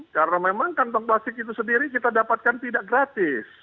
karena memang kantong plastik itu sendiri kita dapatkan tidak gratis